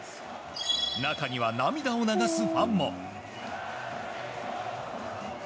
中には涙を流すファンも。